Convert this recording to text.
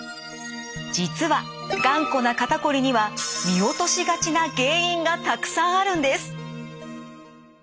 実はがんこな肩こりには見落としがちな原因がたくさんあるんです。